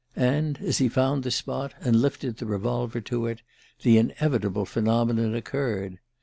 And as he found the spot, and lifted the revolver to it, the inevitable phenomenon occurred.